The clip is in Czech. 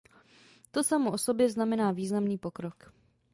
To samo o sobě znamená významný pokrok.